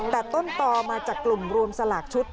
แต่ต้นต่อมาจากกลุ่มรวมสลากชุด